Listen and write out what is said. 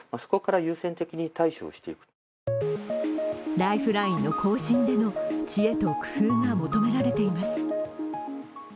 ライフラインの更新での知恵と工夫が求められています。